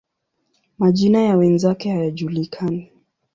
Majina ya wenzake hayajulikani.